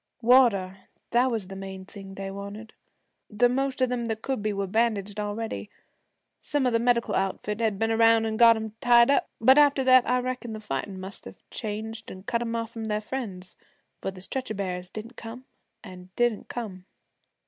Water, that was the main thing they wanted. The most of 'em that could be were bandaged already. Some of the medical outfit had been around an' got 'em tied up, but after that, I reckon the fightin' must of changed an' cut 'em off from their friends, for the stretcher bearers didn't come, an' didn't come.